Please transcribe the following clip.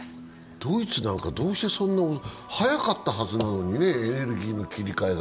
ドイツなんかどうしてそんなに遅い、早かったはずなのにね、エネルギーの切り替えが。